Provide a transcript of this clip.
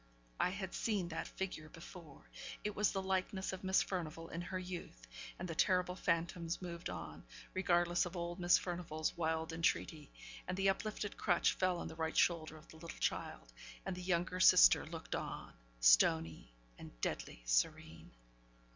I had seen that figure before. It was the likeness of Miss Furnivall in her youth; and the terrible phantoms moved on, regardless of old Miss Furnivall's wild entreaty, and the uplifted crutch fell on the right shoulder of the little child, and the younger sister looked on, stony, and deadly serene.